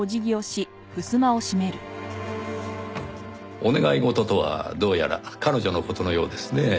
お願い事とはどうやら彼女の事のようですねぇ。